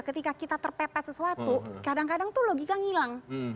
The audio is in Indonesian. ketika kita terpepet sesuatu kadang kadang tuh logika ngilang